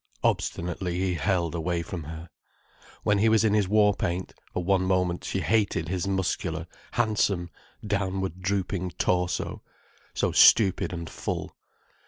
Obstinately he held away from her. When he was in his war paint, for one moment she hated his muscular, handsome, downward drooping torso: so stupid and full.